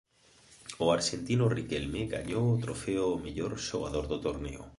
O arxentino Riquelme gañou o trofeo ao mellor xogador do torneo.